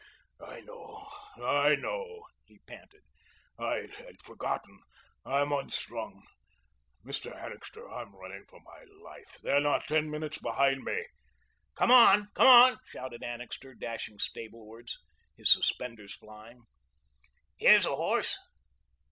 "I know, I know," he panted. "I'd forgotten. I'm unstrung, Mr. Annixter, and I'm running for my life. They're not ten minutes behind me." "Come on, come on," shouted Annixter, dashing stablewards, his suspenders flying. "Here's a horse."